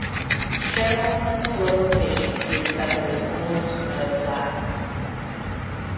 Charon's slow rotation means that there is almost no flattening.